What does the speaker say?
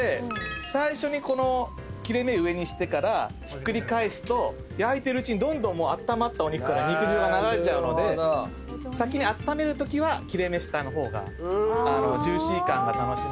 最初にこの切れ目上にしてからひっくり返すと焼いてるうちにどんどんあったまったお肉から肉汁が流れちゃうので先にあっためるときは切れ目下の方がジューシー感が楽しめるかな。